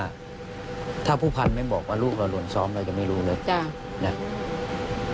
ว่าถ้าผู้พันธ์ไม่บอกว่าลูกเราหลวนซ้อมเราจะไม่รู้เลยจ้ะเนี้ย